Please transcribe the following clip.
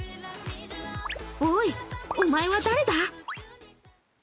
おーい、お前は誰だ？